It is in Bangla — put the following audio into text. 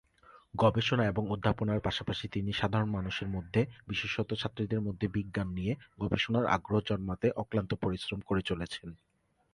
গবেষণা এবং অধ্যাপনার পাশাপাশি তিনি সাধারণ মানুষের মধ্যে, বিশেষত ছাত্রীদের মধ্যে বিজ্ঞান নিয়ে গবেষণার আগ্রহ জন্মাতে অক্লান্ত পরিশ্রম করে চলেছেন।